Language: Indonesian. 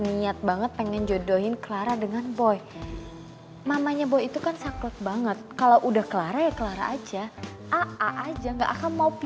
kita punya anak kayak